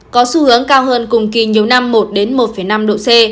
có xu hướng cao hơn cùng kỳ nhiều năm một năm độ c